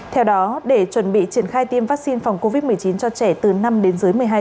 theo đó để chuẩn bị triển khai tiêm vaccine phòng covid một mươi chín cho trẻ từ năm đến dưới